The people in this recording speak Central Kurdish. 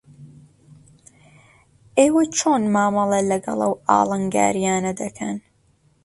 ئێوە چۆن مامەڵە لەگەڵ ئەو ئاڵنگارییانە دەکەن؟